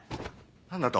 何だと？